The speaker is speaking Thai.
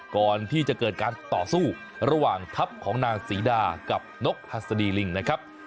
ก่อนที่จะเกิดการต่อสู้ระหว่างทัพของนางศรีดากับนกหัสดีลิงนะครับ